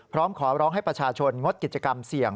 พร้อมขอร้องให้ประชาชนงดกิจกรรมเสี่ยง